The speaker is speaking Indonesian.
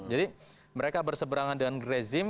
jadi mereka berseberangan dengan rezim